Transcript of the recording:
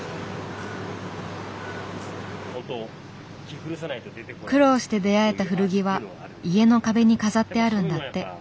苦労して出会えた古着は家の壁に飾ってあるんだって。